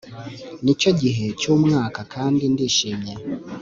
nicyo gihe cyumwaka, kandi ndishimye.